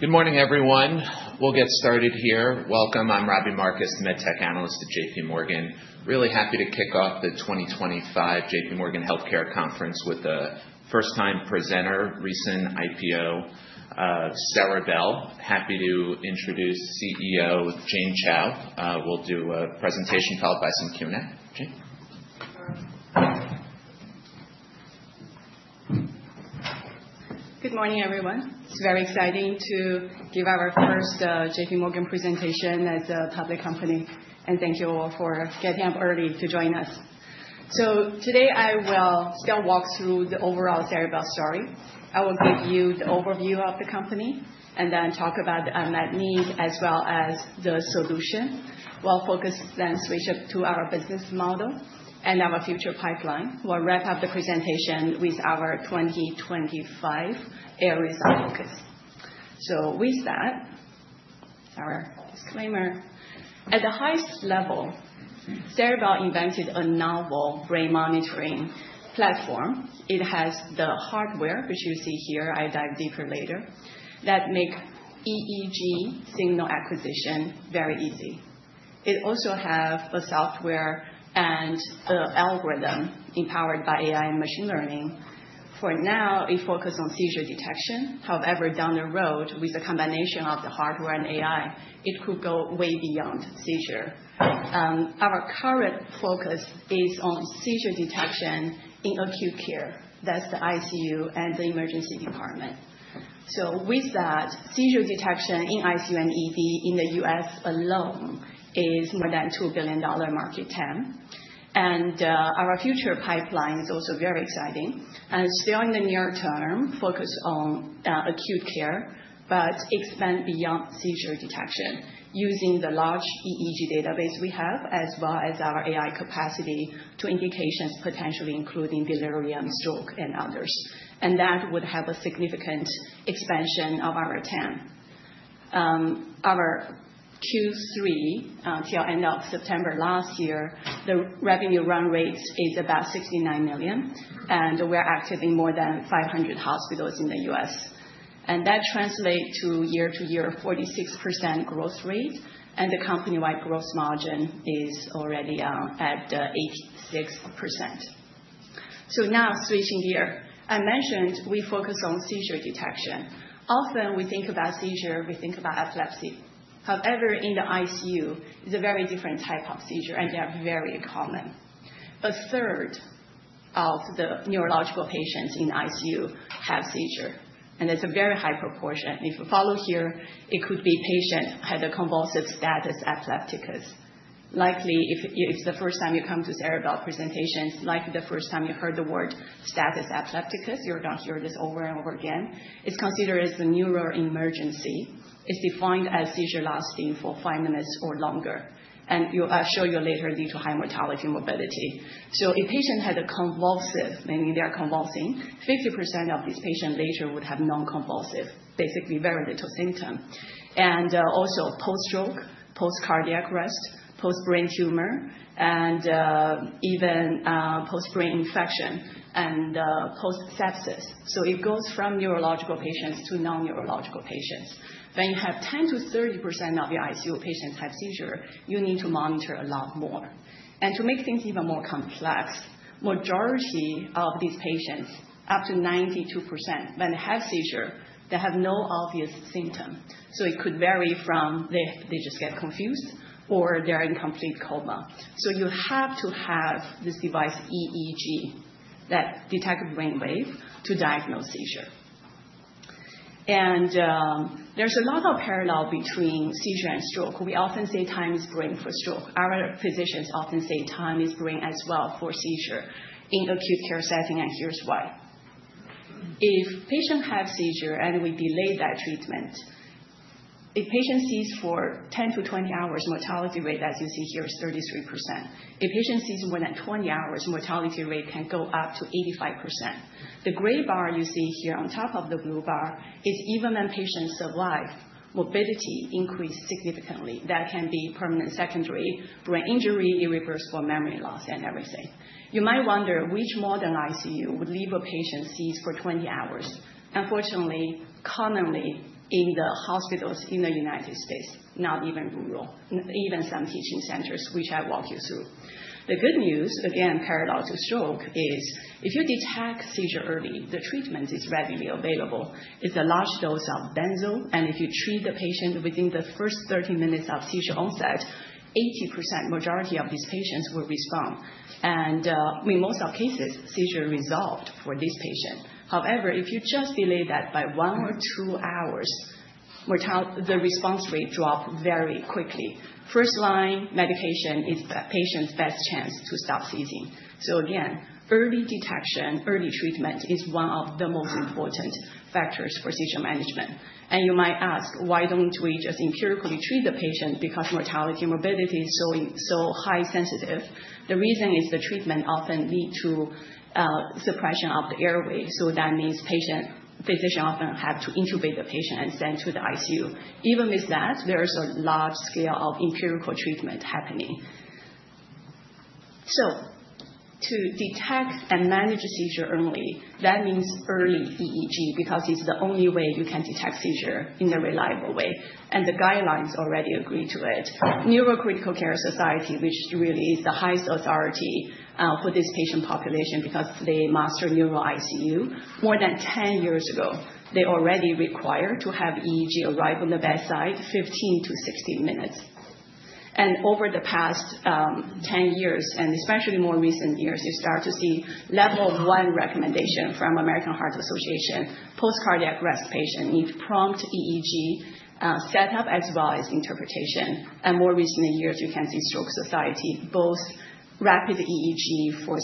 Good morning, everyone. We'll get started here. Welcome. I'm Robbie Marcus, MedTech analyst at J.P. Morgan. Really happy to kick off the 2025 J.P. Morgan Healthcare Conference with a first-time presenter, recent IPO, of Ceribell. Happy to introduce CEO Jane Chao. We'll do a presentation followed by some Q&A. Jane. Good morning, everyone. It's very exciting to give our first J.P. Morgan presentation as a public company, and thank you all for getting up early to join us, so today, I will still walk through the overall Ceribell story. I will give you the overview of the company and then talk about the unmet need as well as the solution. We'll focus then switch up to our business model and our future pipeline. We'll wrap up the presentation with our 2025 areas of focus, so with that, our disclaimer. At the highest level, Ceribell invented a novel brain monitoring platform. It has the hardware, which you see here. I'll dive deeper later, that makes EEG signal acquisition very easy. It also has a software and an algorithm empowered by AI and machine learning. For now, it focuses on seizure detection. However, down the road, with a combination of the hardware and AI, it could go way beyond seizure. Our current focus is on seizure detection in acute care. That's the ICU and the emergency department. So with that, seizure detection in ICU and ED in the U.S. alone is more than $2 billion market. And our future pipeline is also very exciting. And still in the near term, focus on acute care, but expand beyond seizure detection using the large EEG database we have, as well as our AI capacity to indications potentially including delirium, stroke, and others. And that would have a significant expansion of our TAM. Our Q3, through the end of September last year, the revenue run rate is about $69 million. And we're active in more than 500 hospitals in the U.S. And that translates to year-to-year 46% year-on-year growth rate. And the company-wide gross margin is already at 86%. So now, switching gear, I mentioned we focus on seizure detection. Often, we think about seizure, we think about epilepsy. However, in the ICU, it's a very different type of seizure. And they are very common. A third of the neurological patients in the ICU have seizures. And that's a very high proportion. If you follow here, it could be patients who had a convulsive status epilepticus. Likely, if it's the first time you come to Ceribell presentations, likely the first time you heard the word status epilepticus, you're going to hear this over and over again. It's considered as a neuroemergency. It's defined as seizure lasting for five minutes or longer. And I'll show you later due to high mortality and morbidity. So a patient has a convulsive, meaning they are convulsing. 50% of these patients later would have non-convulsive, basically very little symptom, and also post-stroke, post-cardiac arrest, post-brain tumor, and even post-brain infection, and post-sepsis, so it goes from neurological patients to non-neurological patients. When you have 10%-30% of your ICU patients have seizures, you need to monitor a lot more, and to make things even more complex, the majority of these patients, up to 92%, when they have seizures, they have no obvious symptoms, so it could vary from they just get confused or they're in complete coma, so you have to have this device, EEG, that detects brain waves to diagnose seizure, and there's a lot of parallel between seizure and stroke. We often say time is brain for stroke. Our physicians often say time is brain as well for seizure in acute care setting, and here's why. If a patient has a seizure and we delay that treatment, a patient seizes for 10 to 20 hours, mortality rate, as you see here, is 33%. A patient seizes more than 20 hours, mortality rate can go up to 85%. The gray bar you see here on top of the blue bar is even when patients survive, morbidity increases significantly. That can be permanent secondary brain injury, irreversible memory loss, and everything. You might wonder which modern ICU would leave a patient seized for 20 hours. Unfortunately, commonly in the hospitals in the United States, not even rural, even some teaching centers, which I walk you through. The good news, again, parallel to stroke is if you detect a seizure early, the treatment is readily available. It's a large dose of benzo. If you treat the patient within the first 30 minutes of seizure onset, 80%, majority of these patients will respond. In most cases, seizure resolved for this patient. However, if you just delay that by one or two hours, the response rate drops very quickly. First-line medication is the patient's best chance to stop seizing. Again, early detection, early treatment is one of the most important factors for seizure management. You might ask, why don't we just empirically treat the patient? Because mortality and morbidity is so highly sensitive. The reason is the treatment often leads to suppression of the airway. That means physicians often have to intubate the patient and send to the ICU. Even with that, there is a large scale of empirical treatment happening. To detect and manage seizure early, that means early EEG because it's the only way you can detect seizure in a reliable way. The guidelines already agree to it. Neurocritical Care Society, which really is the highest authority for this patient population because they master neuro ICU, more than 10 years ago, they already required to have EEG arrive on the bedside 15-60 minutes. Over the past 10 years, and especially more recent years, you start to see level one recommendation from American Heart Association. Post-cardiac arrest patient needs prompt EEG setup as well as interpretation. More recent years, you can see Stroke Society both rapid EEG for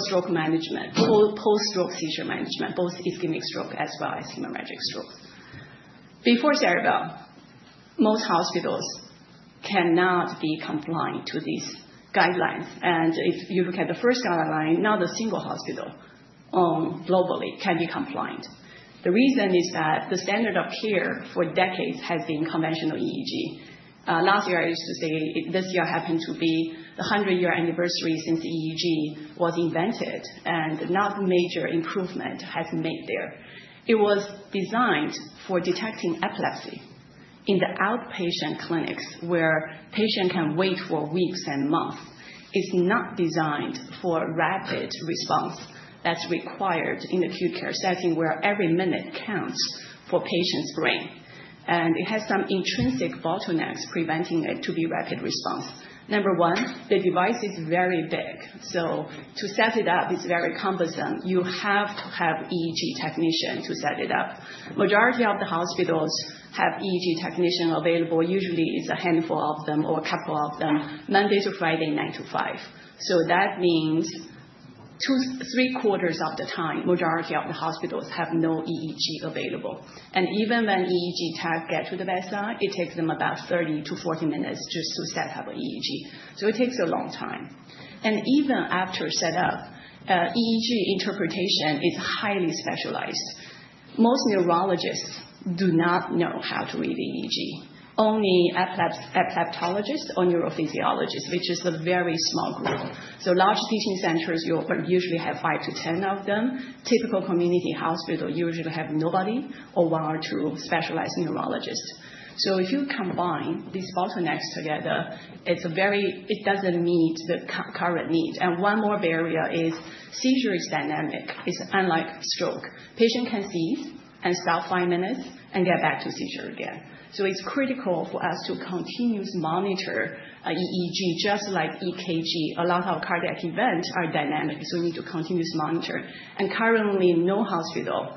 stroke management, post-stroke seizure management, both ischemic stroke as well as hemorrhagic strokes. Before Ceribell, most hospitals cannot be compliant to these guidelines. If you look at the first guideline, not a single hospital globally can be compliant. The reason is that the standard of care for decades has been conventional EEG. Last year, I used to say this year happened to be the 100-year anniversary since EEG was invented. No major improvement has been made there. It was designed for detecting epilepsy in the outpatient clinics where a patient can wait for weeks and months. It's not designed for rapid response that's required in acute care setting where every minute counts for a patient's brain. It has some intrinsic bottlenecks preventing it from being rapid response. Number one, the device is very big. So to set it up, it's very cumbersome. You have to have an EEG technician to set it up. The majority of the hospitals have EEG technicians available. Usually, it's a handful of them or a couple of them, Monday to Friday, 9:00 A.M. to 5:00 P.M., so that means three-quarters of the time, the majority of the hospitals have no EEG available, and even when EEG techs get to the bedside, it takes them about 30 to 40 minutes just to set up an EEG, so it takes a long time, and even after setup, EEG interpretation is highly specialized. Most neurologists do not know how to read EEG. Only epileptologists or neurophysiologists, which is a very small group, so large teaching centers, you usually have five to 10 of them. Typical community hospital usually have nobody or one or two specialized neurologists, so if you combine these bottlenecks together, it doesn't meet the current need, and one more barrier is seizure is dynamic. It's unlike stroke. A patient can seize and stop five minutes and get back to seizure again. So it's critical for us to continuously monitor EEG, just like EKG. A lot of cardiac events are dynamic. So we need to continuously monitor. And currently, no hospital,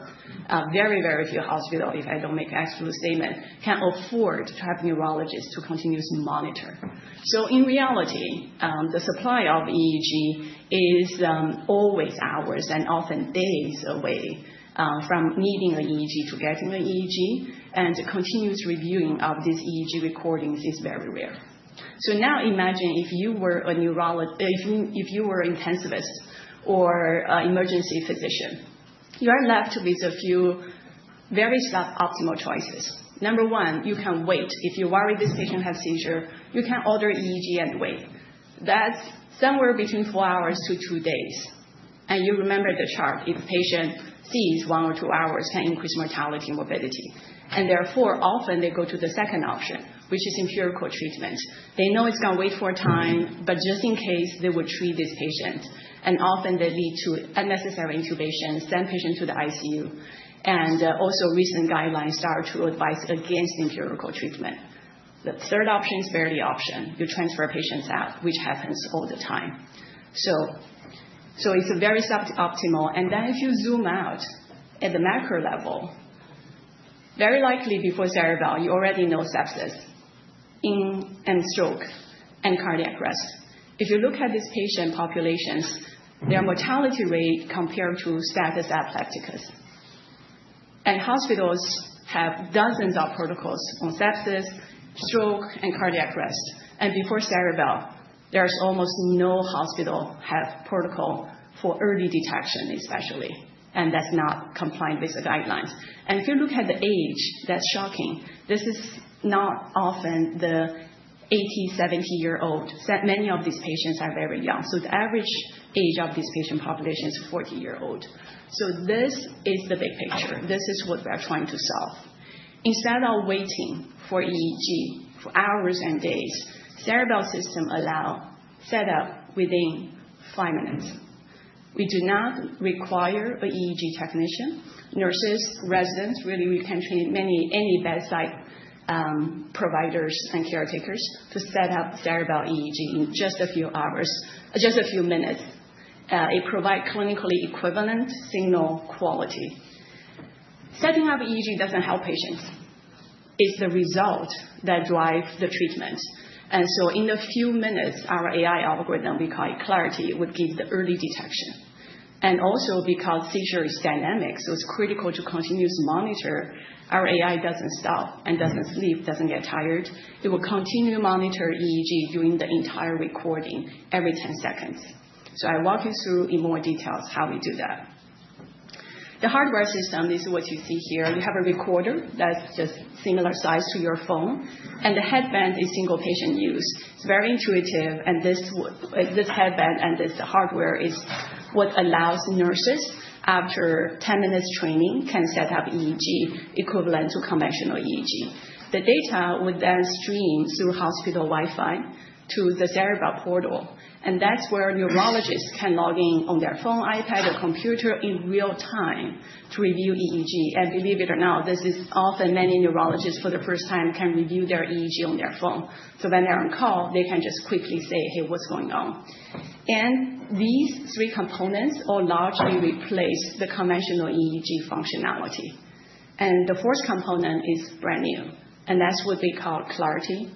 very, very few hospitals, if I don't make an absolute statement, can afford to have neurologists to continuously monitor. So in reality, the supply of EEG is always hours and often days away from needing an EEG to getting an EEG. And the continuous reviewing of these EEG recordings is very rare. So now imagine if you were an intensivist or emergency physician. You are left with a few very suboptimal choices. Number one, you can wait. If you're worried this patient has seizure, you can order EEG and wait. That's somewhere between four hours to two days. And you remember the chart. If a patient seizes one or two hours, it can increase mortality and morbidity. Therefore, often, they go to the second option, which is empirical treatment. They know it's going to wait for a time, but just in case, they will treat this patient, and often, they lead to unnecessary intubations, send patients to the ICU. Also, recent guidelines start to advise against empirical treatment. The third option is barely an option. You transfer patients out, which happens all the time, so it's very suboptimal. Then if you zoom out at the macro level, very likely before Ceribell, you already know sepsis and stroke and cardiac arrest. If you look at these patient populations, their mortality rate compared to status epilepticus, and hospitals have dozens of protocols on sepsis, stroke, and cardiac arrest. Before Ceribell, there's almost no hospital that has a protocol for early detection, especially. That's not compliant with the guidelines. If you look at the age, that's shocking. This is not often the 80, 70-year-old. Many of these patients are very young. The average age of this patient population is 40 years old. This is the big picture. This is what we are trying to solve. Instead of waiting for EEG for hours and days, the Ceribell system allows setup within five minutes. We do not require an EEG technician. Nurses, residents, really, we can train any bedside providers and caretakers to set up Ceribell EEG in just a few hours, just a few minutes. It provides clinically equivalent signal quality. Setting up EEG doesn't help patients. It's the result that drives the treatment. And so in a few minutes, our AI algorithm, we call it Clarity, would give the early detection. And also, because seizure is dynamic, so it's critical to continuously monitor, our AI doesn't stop and doesn't sleep, doesn't get tired. It will continue to monitor EEG during the entire recording every 10 seconds. So I'll walk you through in more details how we do that. The hardware system, this is what you see here. You have a recorder that's just similar size to your phone. And the headband is single-patient use. It's very intuitive. And this headband and this hardware is what allows nurses, after 10 minutes training, can set up EEG equivalent to conventional EEG. The data would then stream through hospital Wi-Fi to the Ceribell portal. And that's where neurologists can log in on their phone, iPad, or computer in real time to review EEG. And believe it or not, this is often many neurologists for the first time can review their EEG on their phone. So when they're on call, they can just quickly say, "Hey, what's going on?" And these three components will largely replace the conventional EEG functionality. And the fourth component is brand new. And that's what they call Clarity.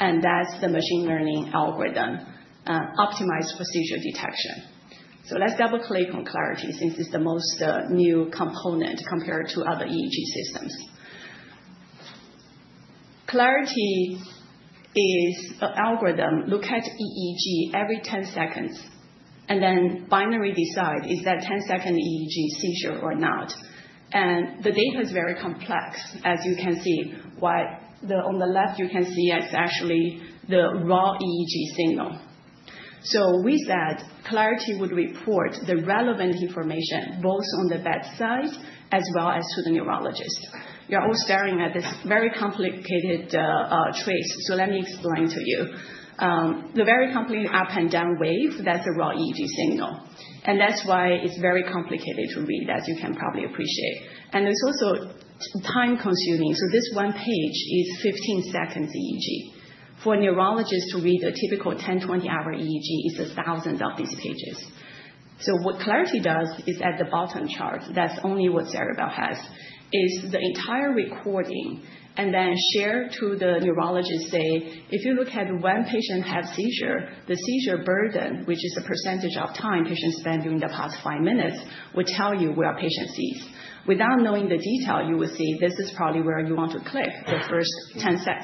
And that's the machine learning algorithm, optimized for seizure detection. So let's double-click on Clarity since it's the most new component compared to other EEG systems. Clarity is an algorithm that looks at EEG every 10 seconds and then binary decides, is that 10-second EEG seizure or not. And the data is very complex, as you can see. On the left, you can see it's actually the raw EEG signal. So with that, Clarity would report the relevant information both on the bedside as well as to the neurologist. You're all staring at this very complicated trace. So let me explain to you. The very complicated up and down wave, that's a raw EEG signal. And that's why it's very complicated to read, as you can probably appreciate. And it's also time-consuming. So this one page is 15 seconds EEG. For a neurologist to read a typical 10, 20-hour EEG, it's thousands of these pages. So what Clarity does is at the bottom chart. That's only what Ceribell has, is the entire recording and then share to the neurologist, say, "If you look at when a patient has seizure, the seizure burden, which is a percentage of time patients spend during the past five minutes, will tell you where a patient seized." Without knowing the detail, you will see this is probably where you want to click the first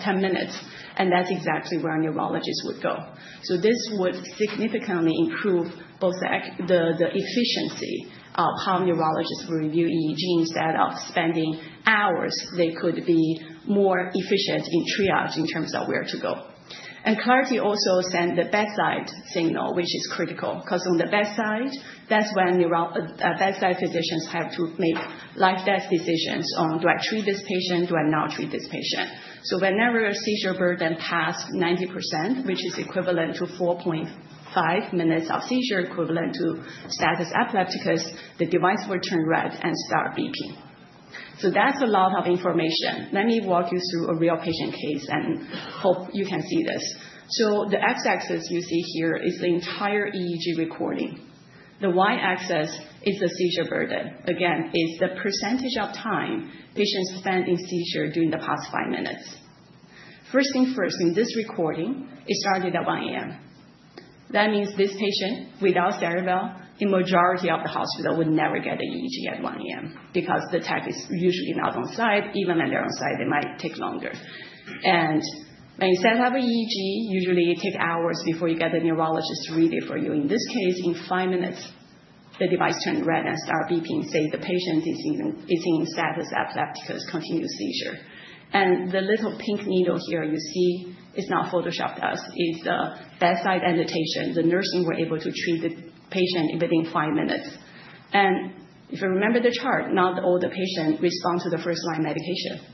10 minutes. And that's exactly where a neurologist would go. So this would significantly improve both the efficiency of how neurologists will review EEG instead of spending hours. They could be more efficient in triage in terms of where to go. And Clarity also sends the bedside signal, which is critical. Because on the bedside, that's when bedside physicians have to make life death decisions on, "Do I treat this patient? Do I not treat this patient?" So whenever a seizure burden passed 90%, which is equivalent to 4.5 minutes of seizure equivalent to status epilepticus, the device will turn red and start beeping. So that's a lot of information. Let me walk you through a real patient case and hope you can see this. So the x-axis you see here is the entire EEG recording. The y-axis is the seizure burden. Again, it's the percentage of time patients spend in seizure during the past five minutes. First thing first, in this recording, it started at 1:00 A.M. That means this patient, without Ceribell, in the majority of the hospital, would never get an EEG at 1:00 A.M. because the tech is usually not on site. Even when they're on site, they might take longer. And when you set up an EEG, usually, it takes hours before you get the neurologist to read it for you. In this case, in five minutes, the device turned red and started beeping, saying the patient is in status epilepticus, continuous seizure. And the little pink needle here you see is not Photoshop dust. It's the bedside annotation. The nursing were able to treat the patient within five minutes. And if you remember the chart, not all the patients respond to the first-line medication.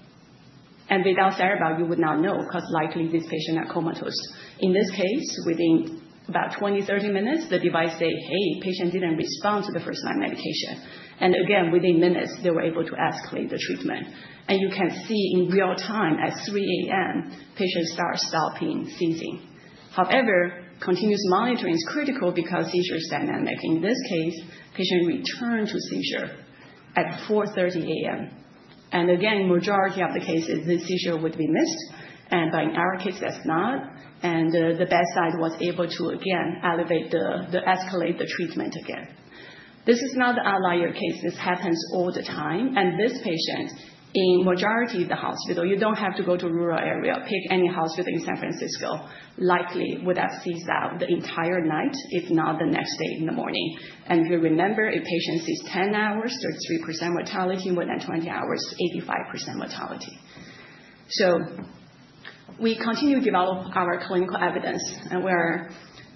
And without Ceribell, you would not know because likely this patient had comatose. In this case, within about 20, 30 minutes, the device said, "Hey, patient didn't respond to the first-line medication," and again, within minutes, they were able to escalate the treatment, and you can see in real time at 3:00 A.M., patients start stopping seizing. However, continuous monitoring is critical because seizure is dynamic. In this case, patient returned to seizure at 4:30 A.M., and again, in the majority of the cases, this seizure would be missed, and by an hour case, that's not, and the bedside was able to, again, escalate the treatment again. This is not an outlier case. This happens all the time, and this patient, in the majority of the hospital, you don't have to go to a rural area. Pick any hospital in San Francisco, likely would have seized out the entire night, if not the next day in the morning. If you remember, a patient seizes 10 hours, 33% mortality. More than 20 hours, 85% mortality. We continue to develop our clinical evidence.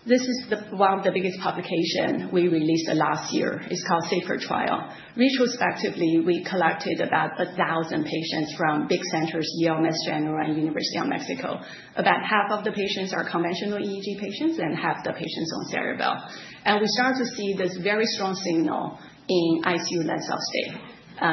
This is one of the biggest publications we released last year. It's called SAFER trial. Retrospectively, we collected about 1,000 patients from big centers, Yale, Mass General, and University of New Mexico. About half of the patients are conventional EEG patients and half the patients on Ceribell. We started to see this very strong signal in ICU length of stay.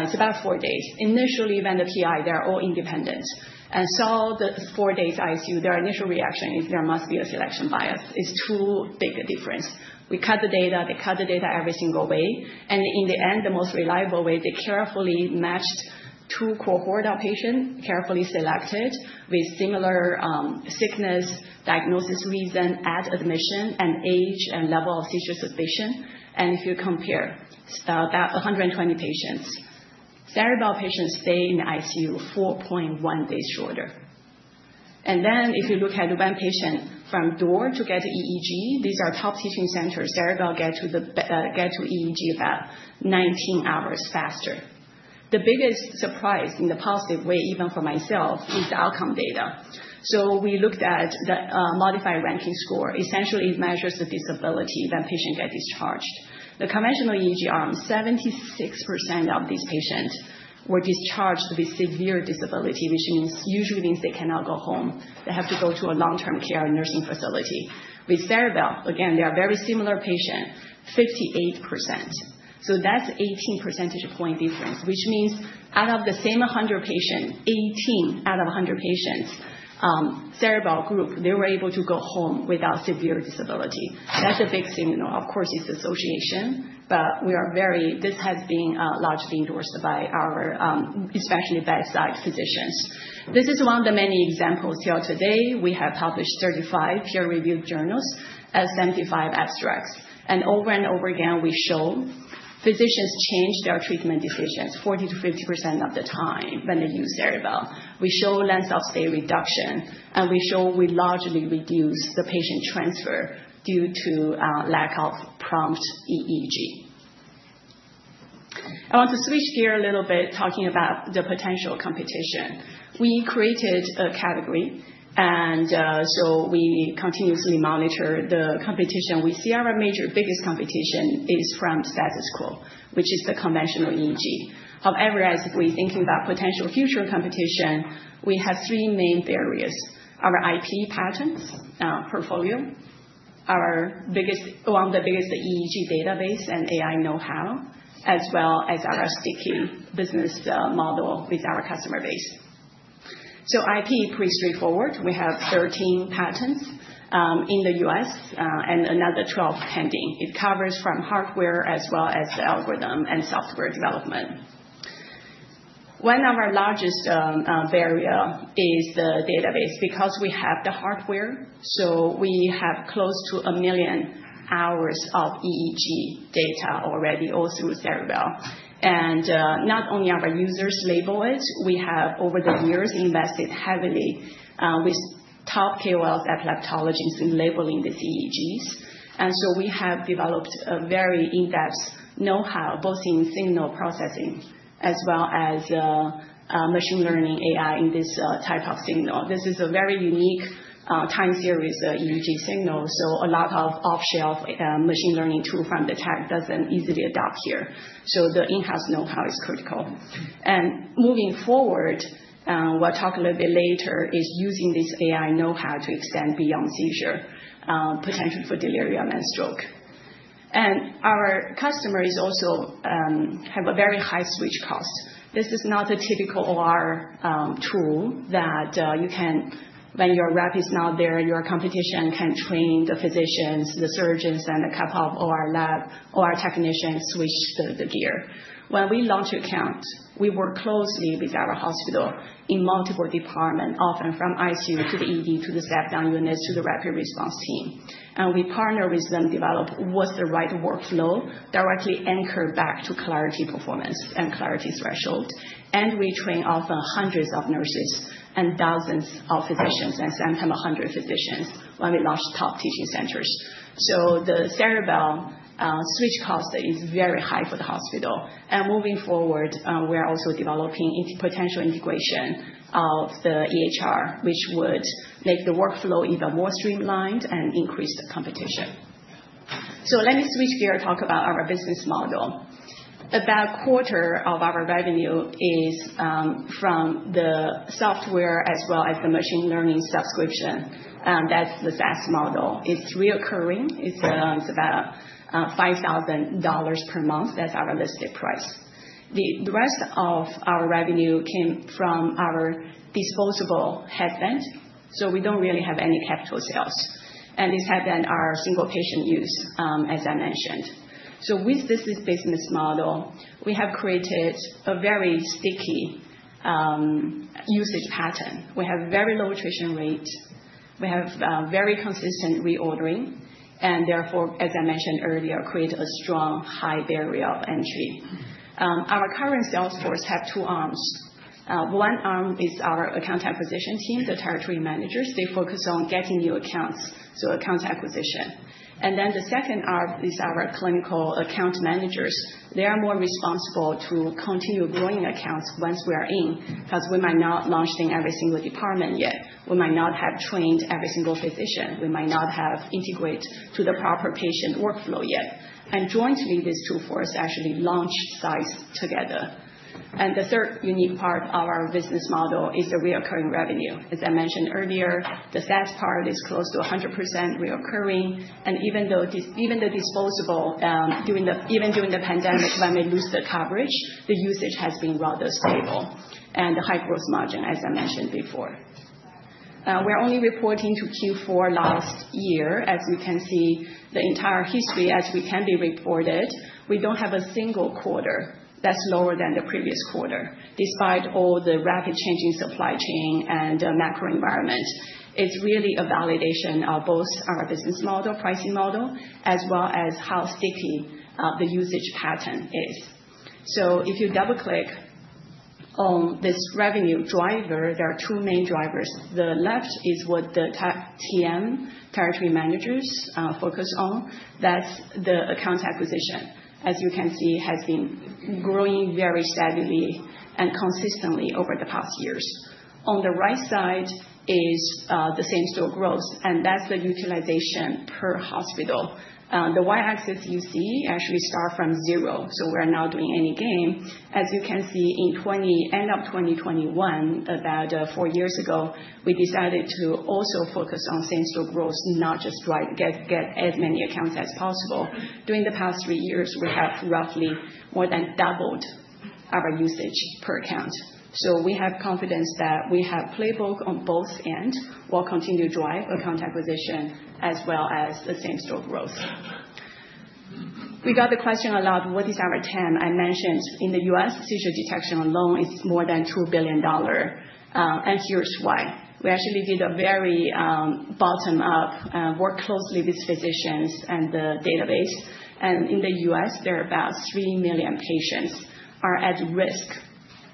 It's about four days. Initially, even the PI, they're all independent. The four days ICU length of stay, their initial reaction is there must be a selection bias. It's too big a difference. We cut the data. They cut the data every single way. In the end, the most reliable way, they carefully matched two cohort patients, carefully selected with similar sickness, diagnosis reason at admission, and age and level of seizure suspicion. If you compare about 120 patients, Ceribell patients stay in the ICU 4.1 days shorter. Then if you look at when patients from door to get to EEG, these are top teaching centers. Ceribell get to EEG about 19 hours faster. The biggest surprise in the positive way, even for myself, is the outcome data. We looked at the Modified Rankin Scale. Essentially, it measures the disability when patients get discharged. The conventional EEG arms, 76% of these patients were discharged with severe disability, which usually means they cannot go home. They have to go to a long-term care nursing facility. With Ceribell, again, they are very similar patients, 58%. So that's an 18 percentage point difference, which means out of the same 100 patients, 18 out of 100 patients, Ceribell group, they were able to go home without severe disability. That's a big signal. Of course, it's association. But this has been largely endorsed by our, especially bedside physicians. This is one of the many examples here today. We have published 35 peer-reviewed journals and 75 abstracts. And over and over again, we show physicians change their treatment decisions 40%-50% of the time when they use Ceribell. We show length of stay reduction. And we show we largely reduce the patient transfer due to lack of prompt EEG. I want to switch gears a little bit, talking about the potential competition. We created a category. And so we continuously monitor the competition. We see our biggest competition is from status quo, which is the conventional EEG. However, as we're thinking about potential future competition, we have three main areas: our IP patents portfolio, one of the biggest EEG database and AI know-how, as well as our sticky business model with our customer base. So IP is pretty straightforward. We have 13 patents in the U.S. and another 12 pending. It covers from hardware as well as the algorithm and software development. One of our largest barriers is the database. Because we have the hardware, so we have close to a million hours of EEG data already all through Ceribell. And not only are our users labeled it, we have, over the years, invested heavily with top KOLs, epileptologists in labeling these EEGs. And so we have developed a very in-depth know-how, both in signal processing as well as machine learning AI in this type of signal. This is a very unique time series EEG signal. So a lot of off-the-shelf machine learning tools from the tech don't easily adapt here. So the in-house know-how is critical. And moving forward, we'll talk a little bit later, is using this AI know-how to extend beyond seizure, potential for delirium and stroke. And our customers also have a very high switch cost. This is not a typical OR tool that you can, when your rep is not there, your competition can train the physicians, the surgeons, and a couple of OR technicians to switch the gear. When we launch an account, we work closely with our hospital in multiple departments, often from ICU to the ED to the step-down units to the rapid response team. And we partner with them, develop what's the right workflow, directly anchor back to Clarity performance and Clarity threshold. And we train often hundreds of nurses and dozens of physicians and sometimes 100 physicians when we launch top teaching centers. So the Ceribell switch cost is very high for the hospital. And moving forward, we're also developing potential integration of the EHR, which would make the workflow even more streamlined and increase the competition. So let me switch gear and talk about our business model. About a quarter of our revenue is from the software as well as the machine learning subscription. That's the SaaS model. It's recurring. It's about $5,000 per month. That's our listed price. The rest of our revenue came from our disposable headband. So we don't really have any capital sales. And these headbands are single-patient use, as I mentioned. So with this business model, we have created a very sticky usage pattern. We have very low attrition rate. We have very consistent reordering. Therefore, as I mentioned earlier, create a strong high barrier of entry. Our current sales force has two arms. One arm is our account acquisition team, the territory managers. They focus on getting new accounts, so account acquisition. Then the second arm is our clinical account managers. They are more responsible to continue growing accounts once we are in because we might not launch them every single department yet. We might not have trained every single physician. We might not have integrated to the proper patient workflow yet. Jointly, these two forces actually launched sites together. The third unique part of our business model is the recurring revenue. As I mentioned earlier, the SaaS part is close to 100% recurring. And even the disposable, even during the pandemic, when we lose the coverage, the usage has been rather stable and the high gross margin, as I mentioned before. We're only reporting to Q4 last year. As you can see, the entire history, as we can be reported, we don't have a single quarter that's lower than the previous quarter, despite all the rapid changing supply chain and macro environment. It's really a validation of both our business model, pricing model, as well as how sticky the usage pattern is. So if you double-click on this revenue driver, there are two main drivers. The left is what the TM, territory managers, focus on. That's the account acquisition. As you can see, it has been growing very steadily and consistently over the past years. On the right side is the same-store growth. And that's the utilization per hospital. The y-axis you see actually starts from zero. So we're not doing any gain. As you can see, at the end of 2021, about four years ago, we decided to also focus on same-store growth, not just get as many accounts as possible. During the past three years, we have roughly more than doubled our usage per account. So we have confidence that we have playbook on both ends. We'll continue to drive account acquisition as well as the same-store growth. We got the question a lot, what is our TAM? I mentioned in the U.S., seizure detection alone is more than $2 billion. And here's why. We actually did a very bottom-up work closely with physicians and the database. And in the U.S., there are about 3 million patients who are at risk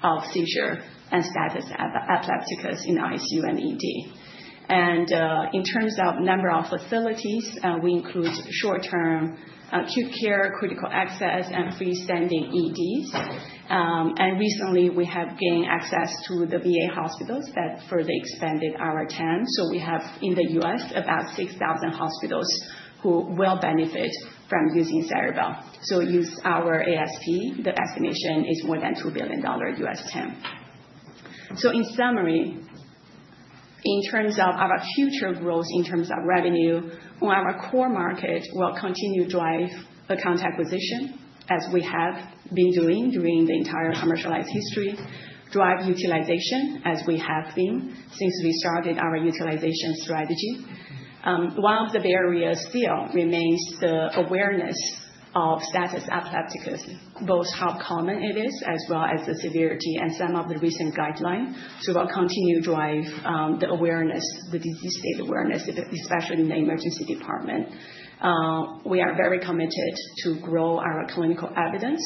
of seizure and status epilepticus in ICU and ED. And in terms of number of facilities, we include short-term acute care, critical access, and freestanding EDs. And recently, we have gained access to the VA hospitals that further expanded our TAM. So we have, in the U.S., about 6,000 hospitals who will benefit from using Ceribell. So use our ASP. The estimation is more than $2 billion U.S. TAM. So in summary, in terms of our future growth, in terms of revenue, on our core market, we'll continue to drive account acquisition as we have been doing during the entire commercialized history, drive utilization as we have been since we started our utilization strategy. One of the barriers still remains the awareness of status epilepticus, both how common it is as well as the severity and some of the recent guidelines. So we'll continue to drive the awareness, the disease state awareness, especially in the emergency department. We are very committed to grow our clinical evidence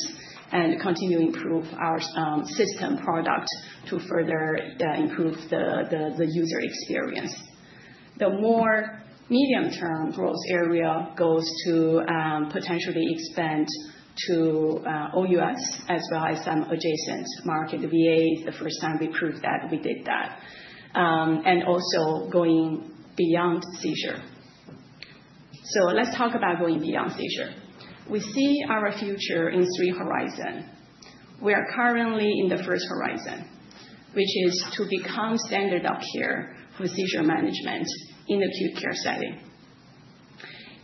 and continue to improve our system product to further improve the user experience. The more medium-term growth area goes to potentially expand to OUS as well as some adjacent market. VA is the first time we proved that we did that. And also going beyond seizure. So let's talk about going beyond seizure. We see our future in three horizons. We are currently in the first horizon, which is to become standard of care for seizure management in the acute care setting.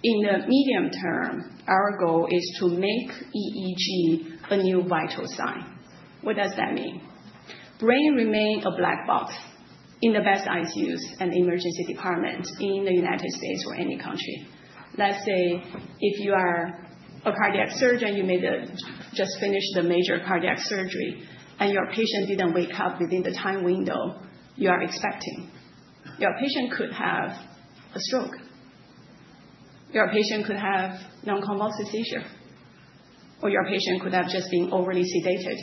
In the medium term, our goal is to make EEG a new vital sign. What does that mean? Brain remains a black box in the best ICUs and emergency departments in the United States or any country. Let's say if you are a cardiac surgeon, you just finished a major cardiac surgery, and your patient didn't wake up within the time window you are expecting. Your patient could have a stroke. Your patient could have non-convulsive seizure. Or your patient could have just been overly sedated.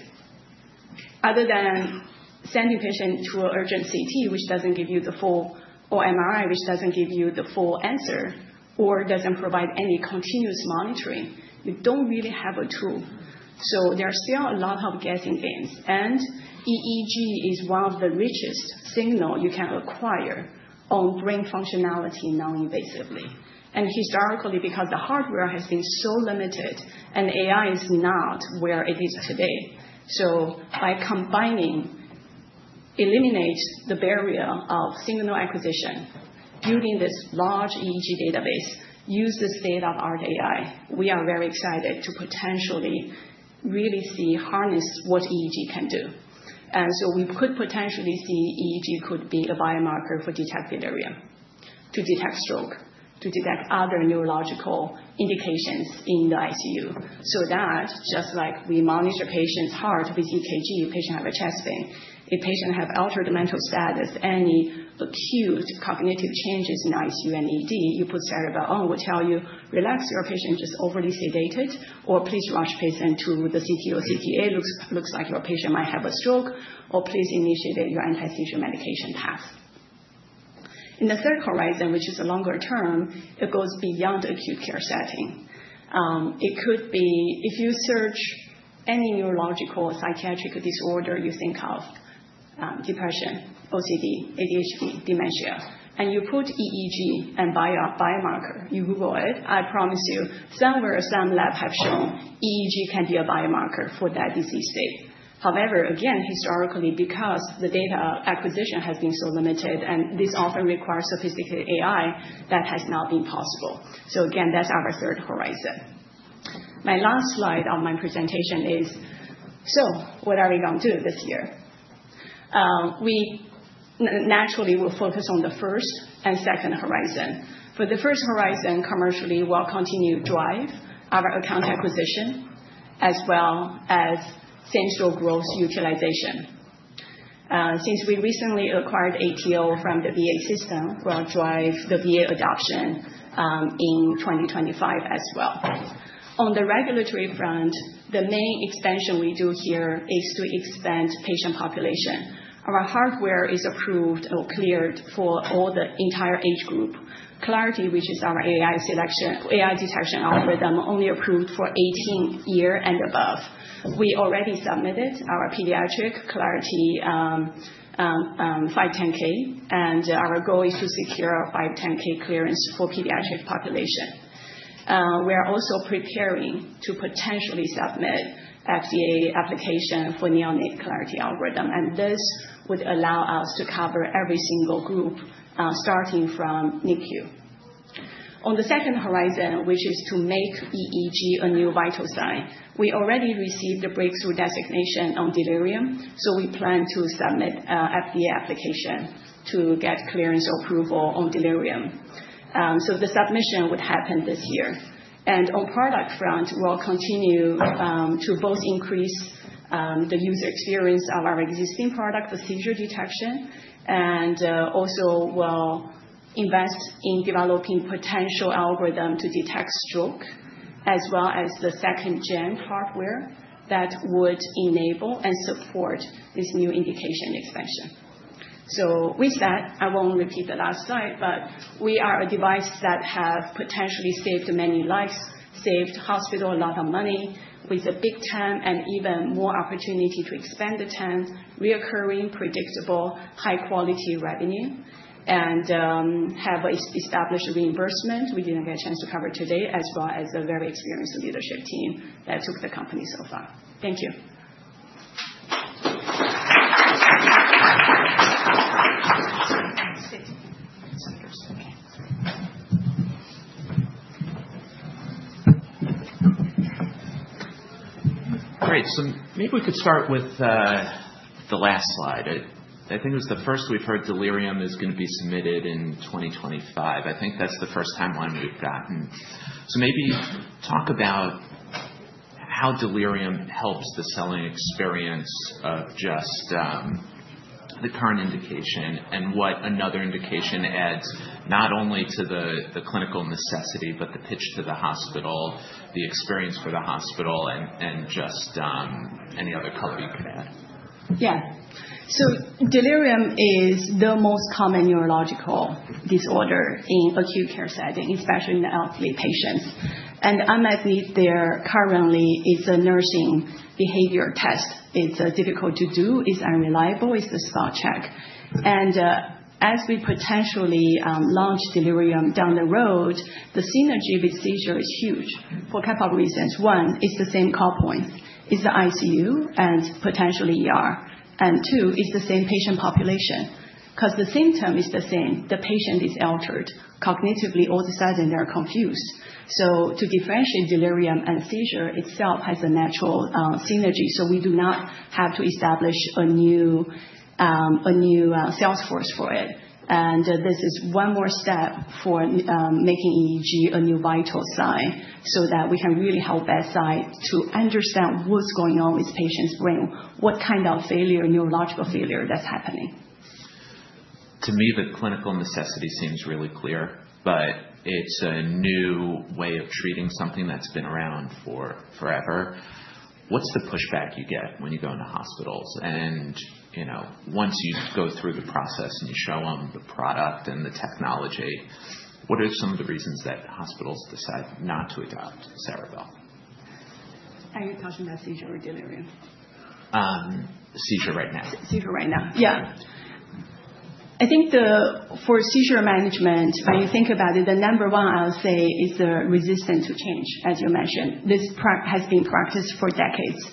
Other than sending a patient to an urgent CT, which doesn't give you the full, or MRI, which doesn't give you the full answer, or doesn't provide any continuous monitoring, we don't really have a tool, so there are still a lot of guessing games, and EEG is one of the richest signals you can acquire on brain functionality non-invasively, and historically, because the hardware has been so limited, and AI is not where it is today. So by eliminating the barrier of signal acquisition, building this large EEG database, use the state-of-the-art AI, we are very excited to potentially really see, harness what EEG can do. And so we could potentially see EEG could be a biomarker for detecting delirium, to detect stroke, to detect other neurological indications in the ICU. So that, just like we monitor a patient's heart with EKG, a patient has chest pain, a patient has altered mental status, any acute cognitive changes in ICU and ED, you put Ceribell on, we'll tell you, "Relax. Your patient is just overly sedated." Or, "Please rush the patient to the CT or CTA. Looks like your patient might have a stroke." Or, "Please initiate your anti-seizure medication path." In the third horizon, which is a longer term, it goes beyond the acute care setting. It could be if you search any neurological or psychiatric disorder you think of, depression, OCD, ADHD, dementia, and you put EEG and biomarker, you Google it. I promise you, somewhere some labs have shown EEG can be a biomarker for that disease state. However, again, historically, because the data acquisition has been so limited, and this often requires sophisticated AI, that has not been possible, so again, that's our third horizon. My last slide of my presentation is, so what are we going to do this year? We naturally will focus on the first and second horizon. For the first horizon, commercially, we'll continue to drive our account acquisition as well as same-store growth utilization. Since we recently acquired ATO from the VA system, we'll drive the VA adoption in 2025 as well. On the regulatory front, the main expansion we do here is to expand patient population. Our hardware is approved or cleared for the entire age group. Clarity, which is our AI detection algorithm, is only approved for 18 years and above. We already submitted our pediatric Clarity 510(k). And our goal is to secure 510(k) clearance for pediatric population. We are also preparing to potentially submit FDA application for Neonate Clarity algorithm. And this would allow us to cover every single group, starting from NICU. On the second horizon, which is to make EEG a new vital sign, we already received a breakthrough designation on delirium. So we plan to submit an FDA application to get clearance or approval on delirium. So the submission would happen this year. On the product front, we'll continue to both increase the user experience of our existing product, the seizure detection, and also we'll invest in developing potential algorithms to detect stroke, as well as the second-gen hardware that would enable and support this new indication expansion. With that, I won't repeat the last slide, but we are a device that has potentially saved many lives, saved the hospital a lot of money with a big TAM and even more opportunity to expand the TAM, recurring, predictable, high-quality revenue, and have established reimbursement. We didn't get a chance to cover today, as well as a very experienced leadership team that took the company so far. Thank you. Great. So maybe we could start with the last slide. I think it was the first we've heard, delirium is going to be submitted in 2025. I think that's the first timeline we've gotten, so maybe talk about how delirium helps the selling experience of just the current indication and what another indication adds, not only to the clinical necessity, but the pitch to the hospital, the experience for the hospital, and just any other color you can add. Yeah, so delirium is the most common neurological disorder in acute care setting, especially in the elderly patients. And currently, it's a nursing behavior test. It's difficult to do. It's unreliable. It's a spot check. And as we potentially launch delirium down the road, the synergy with seizure is huge for a couple of reasons. One, it's the same call points. It's the ICU and potentially, and two, it's the same patient population. Because the symptom is the same. The patient is altered. Cognitively, all of a sudden, they're confused. So, to differentiate delirium and seizure itself has a natural synergy, so we do not have to establish a new sales force for it, and this is one more step for making EEG a new vital sign so that we can really help that side to understand what's going on with the patient's brain, what kind of failure, neurological failure that's happening. To me, the clinical necessity seems really clear, but it's a new way of treating something that's been around forever. What's the pushback you get when you go into hospitals, and once you go through the process and you show them the product and the technology, what are some of the reasons that hospitals decide not to adopt Ceribell? Are you talking about seizure or delirium? Seizure right now. Seizure right now. Yeah. I think for seizure management, when you think about it, the number one, I'll say, is the resistance to change, as you mentioned. This has been practiced for decades.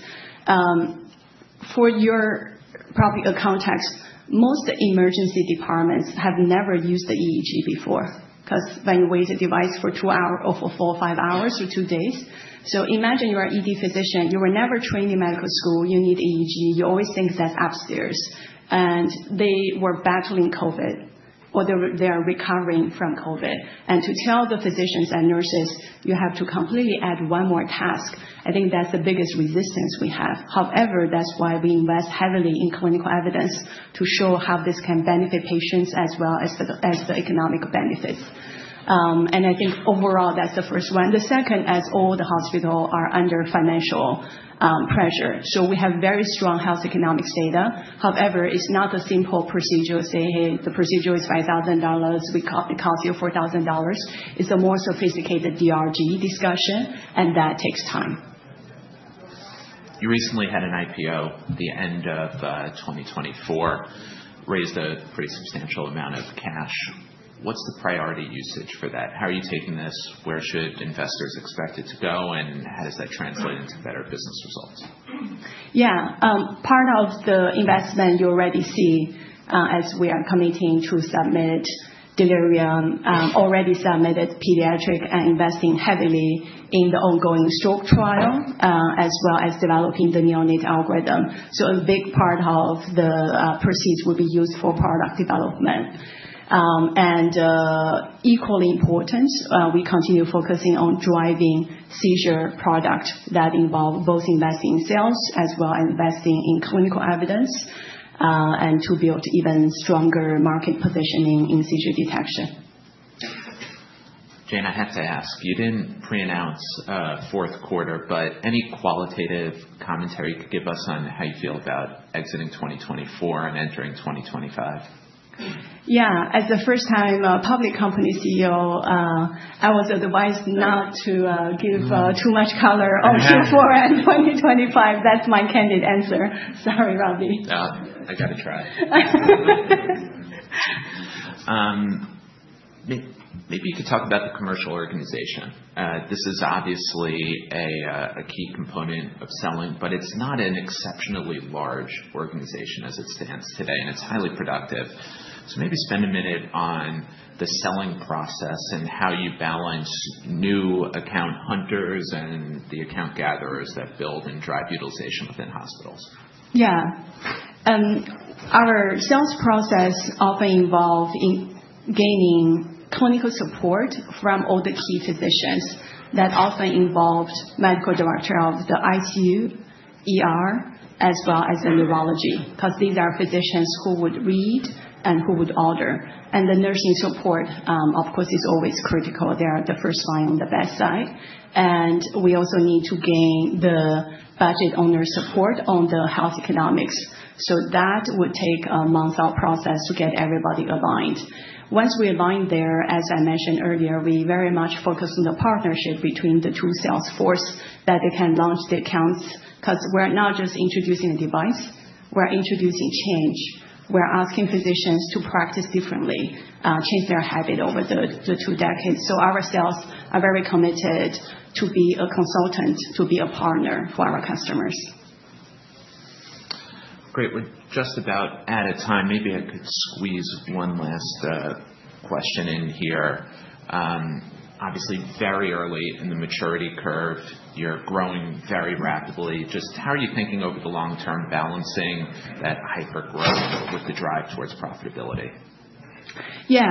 For your context, probably, most emergency departments have never used the EEG before. Because when you wear the device for two hours or for four or five hours or two days, so imagine you are an ED physician. You were never trained in medical school. You need EEG. You always think that's upstairs, and they were battling COVID, or they are recovering from COVID, and to tell the physicians and nurses, you have to completely add one more task. I think that's the biggest resistance we have. However, that's why we invest heavily in clinical evidence to show how this can benefit patients as well as the economic benefits, and I think overall, that's the first one. The second, as all the hospitals are under financial pressure. So we have very strong health economics data. However, it's not a simple procedure to say, "Hey, the procedure is $5,000. It costs you $4,000." It's a more sophisticated DRG discussion, and that takes time. You recently had an IPO at the end of 2024, raised a pretty substantial amount of cash. What's the priority usage for that? How are you taking this? Where should investors expect it to go? And how does that translate into better business results? Yeah. Part of the investment you already see as we are committing to submit delirium, already submitted pediatric and investing heavily in the ongoing stroke trial, as well as developing the Neonate algorithm. So a big part of the proceeds will be used for product development. And equally important, we continue focusing on driving seizure product that involves both investing in sales as well as investing in clinical evidence and to build even stronger market positioning in seizure detection. Jane, I have to ask. You didn't pre-announce fourth quarter, but any qualitative commentary you could give us on how you feel about exiting 2024 and entering 2025? Yeah. As a first-time public company CEO, I was advised not to give too much color on Q4 and 2025. That's my candid answer. Sorry, Robbie. I got to try. Maybe you could talk about the commercial organization. This is obviously a key component of selling, but it's not an exceptionally large organization as it stands today, and it's highly productive. So maybe spend a minute on the selling process and how you balance new account hunters and the account gatherers that build and drive utilization within hospitals. Yeah.Our sales process often involves gaining clinical support from all the key physicians. That often involves the medical director of the ICU, as well as the neurology, because these are physicians who would read and who would order, and the nursing support, of course, is always critical. They are the first line on the bedside, and we also need to gain the budget owner support on the health economics, so that would take a months-long process to get everybody aligned. Once we align there, as I mentioned earlier, we very much focus on the partnership between the two sales forces that they can launch the accounts, because we're not just introducing a device. We're introducing change. We're asking physicians to practice differently, change their habit over the two decades, so our sales are very committed to be a consultant, to be a partner for our customers. Great. We're just about out of time. Maybe I could squeeze one last question in here. Obviously, very early in the maturity curve, you're growing very rapidly. Just how are you thinking over the long term balancing that hypergrowth with the drive towards profitability? Yeah.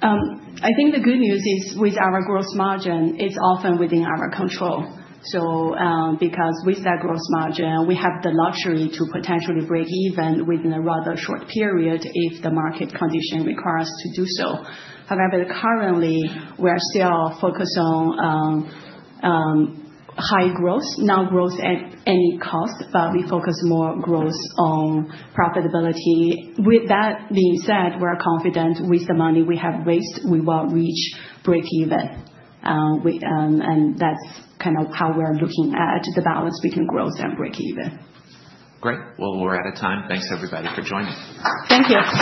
I think the good news is with our gross margin, it's often within our control. So because with that gross margin, we have the luxury to potentially break even within a rather short period if the market condition requires to do so. However, currently, we are still focused on high growth, not growth at any cost, but we focus more growth on profitability. With that being said, we're confident with the money we have raised, we will reach break-even. And that's kind of how we're looking at the balance between growth and break-even. Great. Well, we're out of time. Thanks, everybody, for joining. Thank you.